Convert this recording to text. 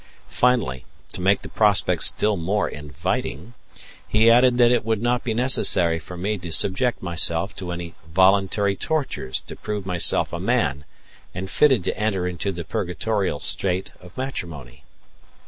Finally, to make the prospect still more inviting, he added that it would not be necessary for me to subject myself to any voluntary tortures to prove myself a man and fitted to enter into the purgatorial state of matrimony.